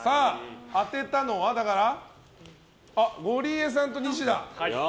当てたのはゴリエさんとニシダ。